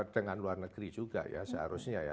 dengan luar negeri juga ya seharusnya ya